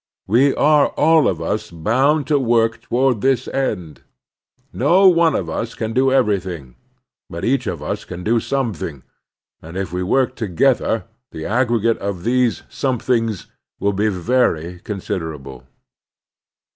We are all of us bound to work toward this end. No one of us can do eveiything, but each of us can do something, and if we work together the aggregate of these somethings will be very considerable.